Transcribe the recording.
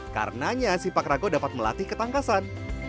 karenanya sipak rago dapat melatih ketangkasan